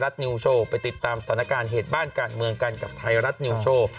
สถานการณ์เหตุบ้านการเมืองกันกับไทยรัฐนิวโชว์